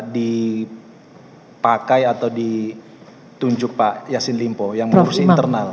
dipakai atau ditunjuk pak yassin limpo yang mengurusi internal